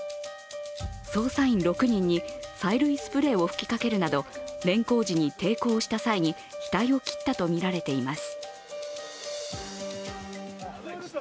捜査員６人に催涙スプレーを吹きかけるなど、連行時に抵抗をした際に、額を切ったとみられています。